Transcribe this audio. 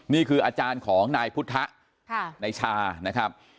นี่คืออาจารย์ของนายพุทธะนายชานะครับ